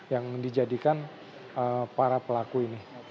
yang dijadikan para pelaku ini